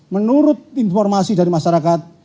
menurut informasi dari masyarakat